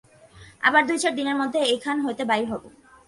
আবার দুই-চার দিনের মধ্যে এখান হইতে বাহির হইব।